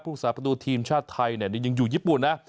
พลุคสาธารณ์ประตูทีมชาติไทยยังอยู่ญี่ปุ่นนะ